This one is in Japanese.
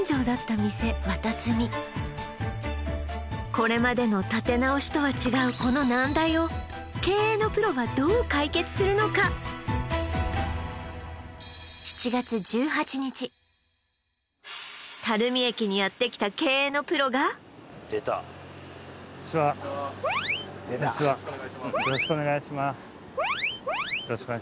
これまでの立て直しとは違うこの難題を垂水駅にやってきた経営のプロがよろしくお願いします